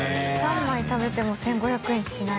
核食べても１５００円しない。